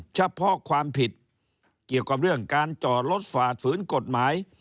เฉพาะความผิดเกี่ยวกับเรื่องการจอดรถฝ่าฝืนกฎหมาย